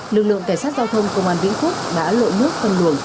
lực lượng cảnh sát giao thông công an vĩnh phúc đã lội nước phân luồng